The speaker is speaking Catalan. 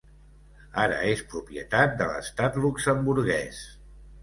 Ara és propietat de l'Estat luxemburguès.